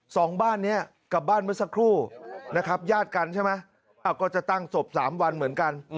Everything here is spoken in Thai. สองบ้านนี้กับบ้านเมื่อสักครู่นะครับญาติกันใช่ไหมก็จะตั้งศพสามวันเหมือนกัน